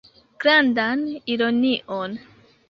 Grandan ironion.